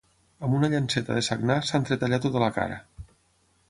Amb una llanceta de sagnar s'entretallà tota la cara.